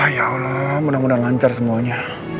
ya allah mudah mudahan lancar semuanya